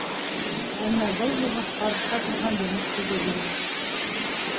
Әммә был йомош ҡарыша торған йомош түгел ине.